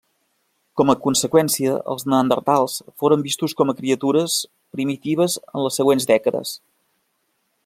Com a conseqüència, els neandertals foren vistos com a criatures primitives en les següents dècades.